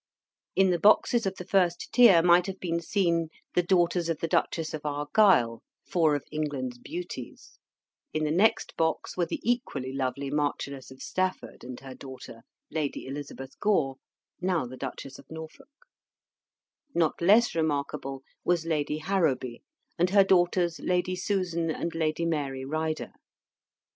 In the boxes of the first tier might have been seen the daughters of the Duchess of Argyle, four of England's beauties; in the next box were the equally lovely Marchioness of Stafford and her daughter, Lady Elizabeth Gore, now the Duchess of Norfolk: not less remarkable was Lady Harrowby and her daughters Lady Susan and Lady Mary Ryder.